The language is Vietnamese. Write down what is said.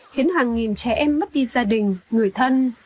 khiến hàng nghìn trẻ em mất đi gia đình người thân